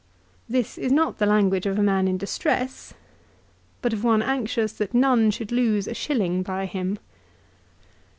2 This is not the language of a man in distress, but of one anxious that none should lose a shilling by him.